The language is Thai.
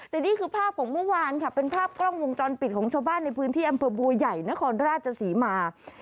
แต่นี่คือภาพของเมื่อวานค่ะเป็นภาพกล้องวงจรปิดของชาวบ้านในพื้นที่อำเภอบัวใหญ่นครราชศรีมา